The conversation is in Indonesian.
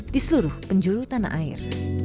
di seluruh penjuru tanah air